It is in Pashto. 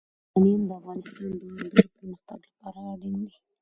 یورانیم د افغانستان د دوامداره پرمختګ لپاره اړین دي.